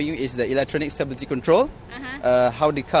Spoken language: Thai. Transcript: คุณก็จะบอกมาช่วยฉันกัน